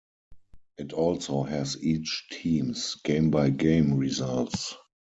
It also has each team's game-by-game results.